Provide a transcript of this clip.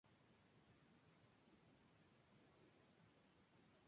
Persa para los manuscritos creados en Irán, en particular durante el período mongol.